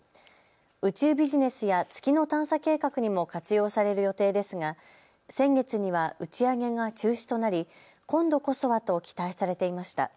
宇宙ビジネスや月の探査計画にも活用される予定ですが先月には打ち上げが中止となり今度こそはと期待されていました。